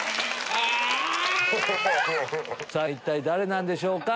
一体誰なんでしょうか？